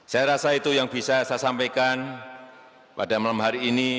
saya rasa itu yang bisa saya sampaikan pada malam hari ini